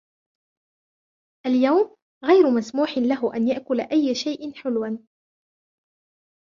اليوم، غير مسموح له أن يأكل أي شيئا حلوا.